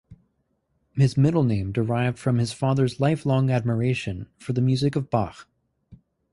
His middle name derived from his father's lifelong admiration for the music of Bach.